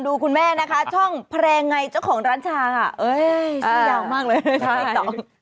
ดูคุณแม่นะคะช่องแพรงไงเจ้าของร้านชางช่องยาวมากเลย